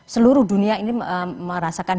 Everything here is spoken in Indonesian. seluruh dunia ini merasakan